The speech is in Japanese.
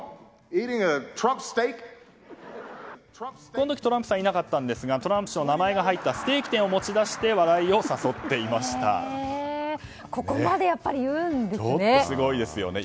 この時、トランプ氏はいなかったんですがトランプ氏の名前が入ったステーキ店を持ち出してここまで言うんですね。